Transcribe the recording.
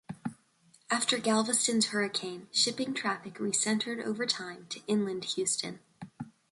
After Galveston's hurricane, shipping traffic recentered over time to inland Houston.